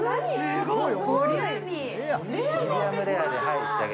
すごいボリューミー。